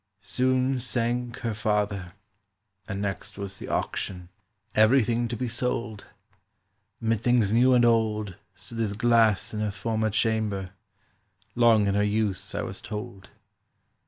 "Soon sank her father; and next was the auction— Everything to be sold: Mid things new and old Stood this glass in her former chamber, Long in her use, I was told.